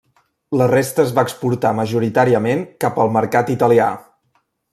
La resta es va exportar majoritàriament cap al mercat italià.